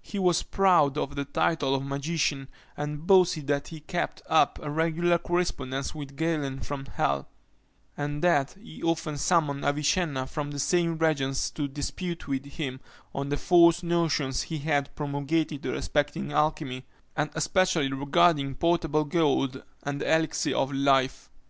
He was proud of the title of magician, and boasted that he kept up a regular correspondence with Galen from hell; and that he often summoned Avicenna from the same regions to dispute with him on the false notions he had promulgated respecting alchymy, and especially regarding potable gold and the elixir of life.